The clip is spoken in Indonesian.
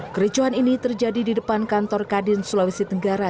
kericuhan ini terjadi di depan kantor kadin sulawesi tenggara